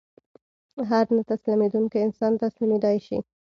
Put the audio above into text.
هر نه تسلیمېدونکی انسان تسلیمېدای شي